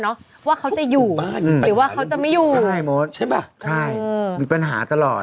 เนอะว่าเขาจะอยู่หรือว่าเขาจะไม่อยู่ใช่ใช่ป่ะใช่มีปัญหาตลอด